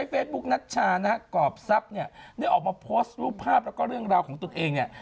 เฟซบุ๊กนัชชานะฮะกรอบทรัพย์เนี่ยได้ออกมาโพสต์รูปภาพแล้วก็เรื่องราวของตนเองเนี่ย